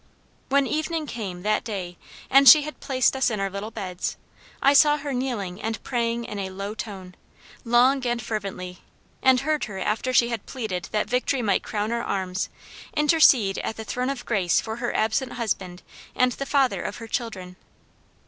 "When evening came, that day, and she had placed us in our little beds, I saw her kneeling and praying in a low tone, long and fervently, and heard her after she had pleaded that victory might crown our arms, intercede at the throne of grace for her absent husband and the father of her children.